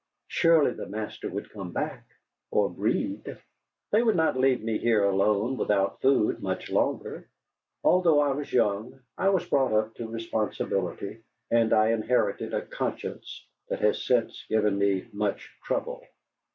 Surely the master would come back or Breed. They would not leave me here alone without food much longer. Although I was young, I was brought up to responsibility. And I inherited a conscience that has since given me much trouble.